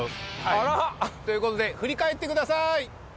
あら。という事で振り返って下さい。